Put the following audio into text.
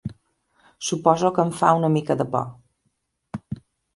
Suposo que em fa una mica de por.